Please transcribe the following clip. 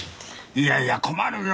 いやいや困るよ。